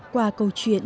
qua câu chuyện